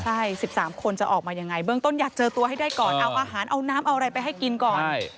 ใช่๑๓คนจะออกมายังไงเบื้องต้นอยากเจอตัวให้ได้ก่อนเอาอาหารเอาน้ำเอาอะไรไปให้กินก่อน